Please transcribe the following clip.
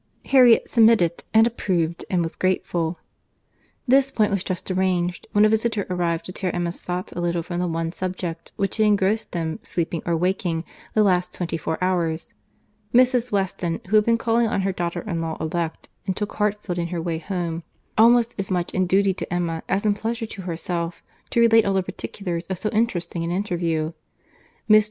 —Harriet submitted, and approved, and was grateful. This point was just arranged, when a visitor arrived to tear Emma's thoughts a little from the one subject which had engrossed them, sleeping or waking, the last twenty four hours—Mrs. Weston, who had been calling on her daughter in law elect, and took Hartfield in her way home, almost as much in duty to Emma as in pleasure to herself, to relate all the particulars of so interesting an interview. Mr.